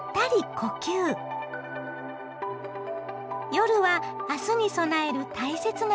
夜は明日に備える大切な時間。